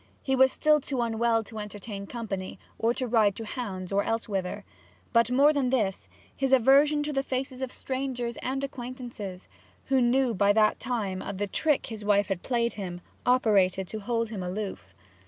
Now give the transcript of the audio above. He was still too unwell to entertain company, or to ride to hounds or elsewhither; but more than this, his aversion to the faces of strangers and acquaintances, who knew by that time of the trick his wife had played him, operated to hold him aloof.